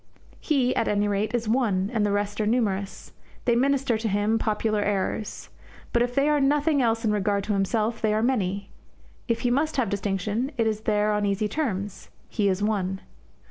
He, at any rate, is one, and the rest are numerous. They minister to him popular errors. But if they are nothing else in regard to himself, they are many. If he must have distinction, it is there on easy terms he is one.